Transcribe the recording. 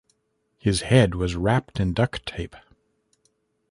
His head was wrapped in duct tape.